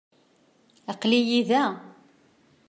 Aqel-iyi da.